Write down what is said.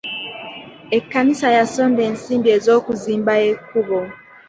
Ekkanisa yasonda ensimbi e'zokuzimba ekkubo.